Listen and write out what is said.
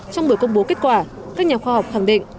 trong buổi công bố kết quả các nhà khoa học khẳng định